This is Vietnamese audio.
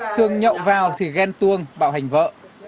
thường nhậu vào thì ghen tuông bạo hành vợ